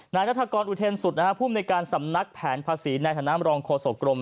นายรัฐกรอุทธิ์สุดนะครับภูมิในการสำนักแผนภาษีในธนามรองโฆษกรม